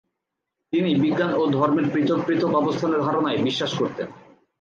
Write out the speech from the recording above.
তিনি বিজ্ঞান ও ধর্মের পৃথক পৃথক অবস্থানের ধারণায় বিশ্বাস করতেন।